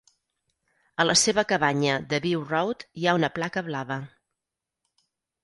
A la seva cabanya de View Road hi ha una placa blava.